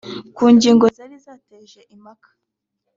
Ku ngingo zari zateje impaka